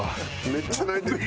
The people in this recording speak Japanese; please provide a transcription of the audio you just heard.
めっちゃ泣いてる。